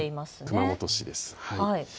熊本市です。